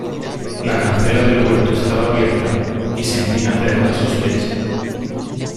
la cancela del huerto estaba abierta, y sentí nacer una sospecha ,